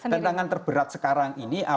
ya tantangan terberat sekarang ini apapun